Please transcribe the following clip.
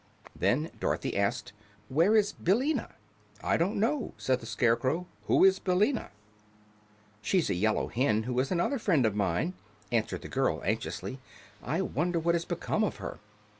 Then Dorothy asked: "Where is Billina?" "I don't know," said the Scarecrow. "Who is Billina?" "She's a yellow hen who is another friend of mine," answered the girl, anxiously. "I wonder what has become of her?"